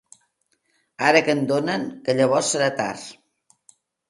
Ara que en donen, que llavors serà tard!